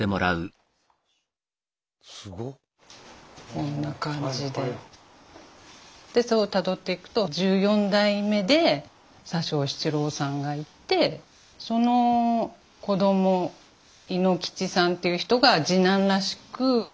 こんな感じでたどっていくと１４代目で佐生七郎さんがいてその子ども猪吉さんという人が次男らしく。